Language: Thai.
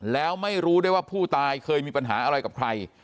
แล้วไม่รู้ด้วยว่าผู้ตายเคยมีปัญหาอะไรกับใคร